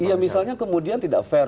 ya misalnya kemudian tidak fair